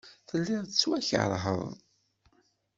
Telliḍ tettwakeṛheḍ.